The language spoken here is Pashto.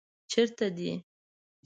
چېرته دی؟